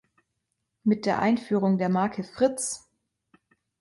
Mit der Einführung der Marke "Fritz!